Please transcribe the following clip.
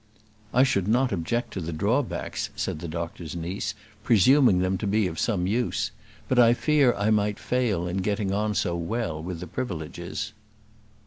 "I should not object to the drawbacks," said the doctor's niece, "presuming them to be of some use; but I fear I might fail in getting on so well with the privileges."